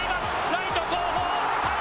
ライト後方。